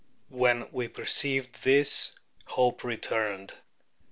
When we perceived this, hope returned.